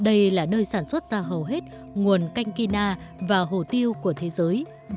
đây là nơi sản xuất ra hầu hết nguồn canh kia và hồ tiêu của thế giới